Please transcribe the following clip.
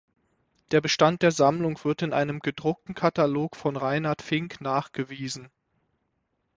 Der Bestand der Sammlung wird in einem gedruckten Katalog von Reinhard Fink nachgewiesen.